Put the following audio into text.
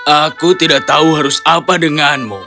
aku tidak tahu harus apa denganmu